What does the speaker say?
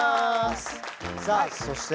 さあそして